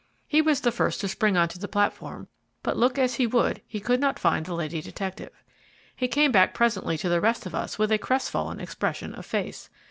He was the first to spring on to the platform, but look as he would he could not find the lady detective. He came back presently to the rest of us with a crestfallen expression of face.